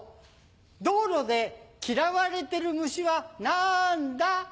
道路で嫌われてるムシはなんだ？